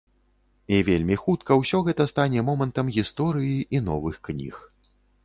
І вельмі хутка ўсё гэта стане момантам гісторыі і новых кніг.